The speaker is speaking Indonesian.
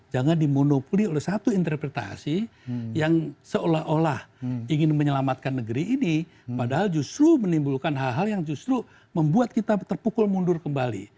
jangan dimonopoli oleh satu interpretasi yang seolah olah ingin menyelamatkan negeri ini padahal justru menimbulkan hal hal yang justru membuat kita terpukul mundur kembali